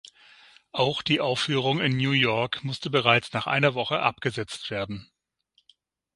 Auch die Aufführung in New York musste bereits nach einer Woche abgesetzt werden.